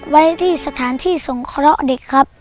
ไว้ที่สถานที่สงเคราะห์เด็กครับ